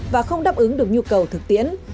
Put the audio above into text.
và không đáp ứng được nhu cầu thực tiễn